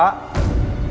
pak bobi pak